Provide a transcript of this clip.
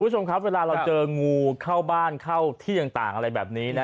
คุณผู้ชมครับเวลาเราเจองูเข้าบ้านเข้าที่ต่างอะไรแบบนี้นะ